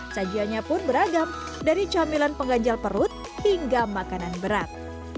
sajiannya pun beragam dari camilan pengganjal perut hingga makanan berat